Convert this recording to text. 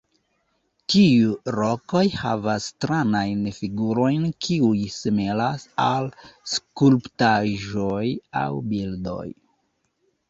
Tiu rokoj havas stranajn figurojn kiuj similas al skulptaĵoj aŭ bildoj.